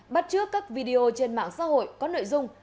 bắt trước các video trên mạng xã hội có nội dung